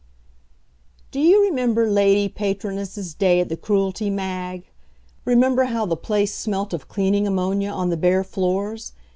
V. Do you remember Lady Patronesses' Day at the Cruelty, Mag? Remember how the place smelt of cleaning ammonia on the bare floors?